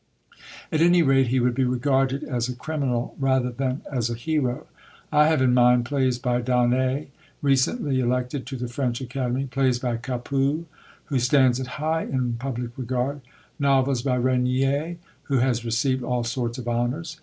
At any rate, he would be regarded as a criminal rather than as a hero. I have in mind plays by Donnay, recently elected to the French Academy; plays by Capus, who stands high in public regard; novels by Regnier, who has received all sorts of honours.